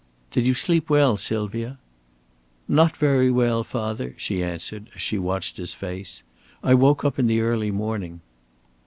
"Did you sleep well, Sylvia?" "Not very well, father," she answered, as she watched his face. "I woke up in the early morning."